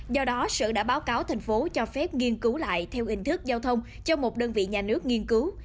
do đó sở đã báo cáo thành phố cho phép nghiên cứu lại theo hình thức giao thông cho một đơn vị nhà nước nghiên cứu